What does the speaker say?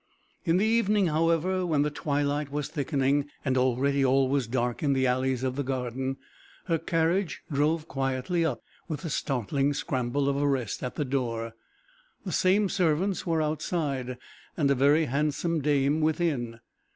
In the evening, however, when the twilight was thickening, and already all was dark in the alleys of the garden, her carriage drove quietly up with a startling scramble of arrest at the door. The same servants were outside, and a very handsome dame within.